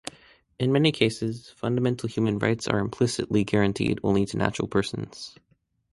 In many cases, fundamental human rights are implicitly granted only to natural persons.